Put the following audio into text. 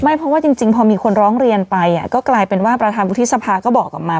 เพราะว่าจริงพอมีคนร้องเรียนไปก็กลายเป็นว่าประธานวุฒิสภาก็บอกกลับมา